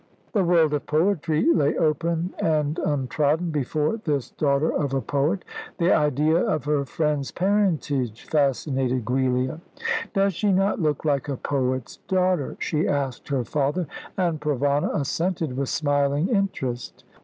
The world of poetry lay open and untrodden before this daughter of a poet. The idea of her friend's parentage fascinated Giulia. "Does she not look like a poet's daughter?" she asked her father, and Provana assented with smiling interest.